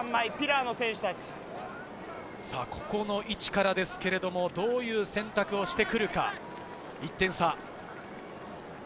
ここの位置からですけれども、どういう選択をしてくるか、１点差。